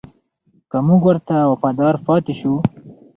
که موږ ورته وفادار پاتې شو.